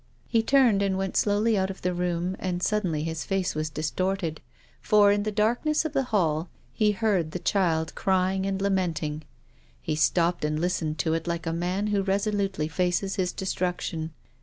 He turned and went slowly out of the room, and suddenly his face was distorted. For, in the darkness of the hall, he heard the child crying and lamenting. He stopped and listened to it like a man who resolutely faces his destruction.